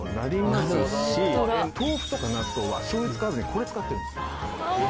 豆腐とか納豆はしょう油使わずにこれ使ってるんです。